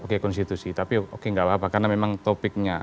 oke konstitusi tapi oke gak apa apa karena memang topiknya